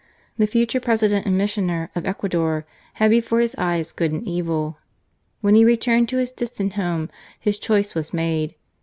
The future President and Missioner of Ecuador had before his eyes good and evil. When he returned to his distant home, his choice was made.